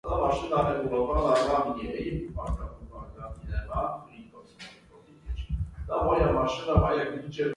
This was his most popular and widely recognized invention.